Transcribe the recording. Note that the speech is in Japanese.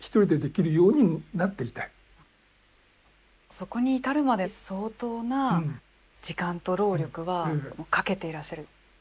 そこに至るまで相当な時間と労力はかけていらっしゃる？